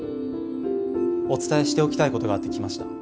お伝えしておきたいことがあって来ました。